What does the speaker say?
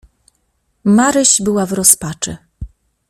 "Maryś była w rozpaczy."